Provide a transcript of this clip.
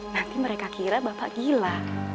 tapi mereka kira bapak gila